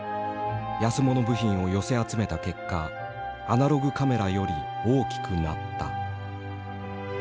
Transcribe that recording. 安物部品を寄せ集めた結果アナログカメラより大きくなった。